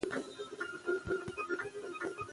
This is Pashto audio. تعلیم نجونو ته د معلوماتو د ترلاسه کولو لار ښيي.